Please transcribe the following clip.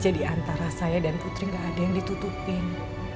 jadi antara saya dan putri gak ada yang ditutupin